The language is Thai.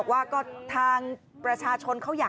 จะกลับให้พี่ธริยายนะครับ